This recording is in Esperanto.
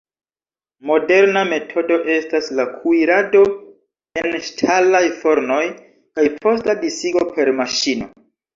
Moderna metodo estas la kuirado en ŝtalaj fornoj kaj posta disigo per maŝino.